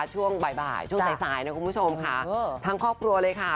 ช่วงบ่ายช่วงใสทั้งครอบครัวเลยค่ะ